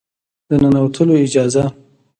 د ننوتلو اجازه